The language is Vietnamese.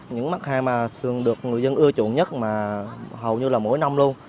những mặt hàng mà thường được người dân ưa chuộng nhất mà hầu như là mỗi năm luôn